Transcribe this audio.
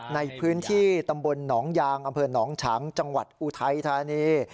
ในพื้นที่ตำบลหนองยางอำเภอหนองฉางจังหวัดอุทัยธานี